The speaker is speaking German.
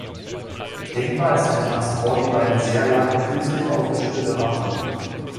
Denkbar ist ein Transport über eine sehr lange, künstlich aufgeschüttete Rampe.